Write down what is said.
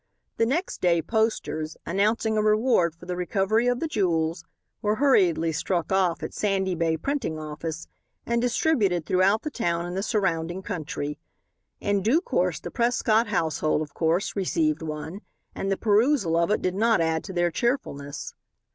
The next day posters, announcing a reward for the recovery of the jewels, were hurriedly struck off at Sandy Bay printing office, and distributed throughout the town and the surrounding country. In due course the Prescott household, of course, received one, and the perusal of it did not add to their cheerfulness.